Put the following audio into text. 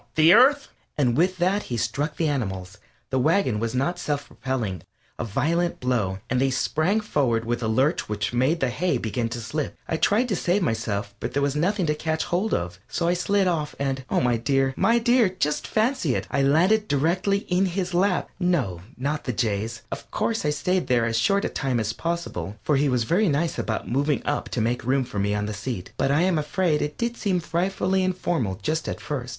The Earth?" And with that he struck the animals the wagon was not self propelling a violent blow, and they sprang forward with a lurch which made the hay begin to slip. I tried to save myself, but there was nothing to catch hold of, so off I slid and oh, my dear, my dear, just fancy it! I landed directly in his lap. No, not the Jay's. Of course, I stayed there as short a time as possible, for he was very nice about moving up to make room for me on the seat, but I am afraid it did seem frightfully informal just at first.